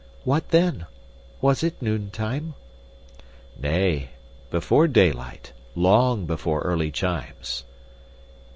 What then? Was it noontime? "Nay, before daylight long before early chimes."